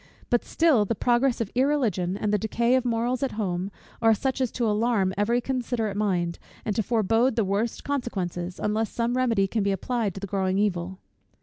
But still, the progress of irreligion, and the decay of morals at home, are such as to alarm every considerate mind, and to forebode the worst consequences, unless some remedy can be applied to the growing evil.